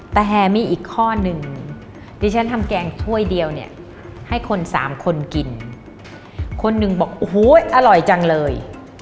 แต่แห่มีอีกข้อหนึ่งที่ฉันทำแกงถ้วยเดียวเนี่ยให้คนสามคนกินคนหนึ่งบอกโอ้โหอร่อยจังเลย